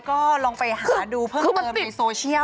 ก็ลองไปหาดูเพิ่มเติมในโซเชียล